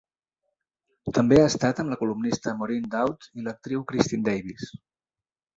També ha estat amb la columnista Maureen Dowd i l'actriu Kristin Davis.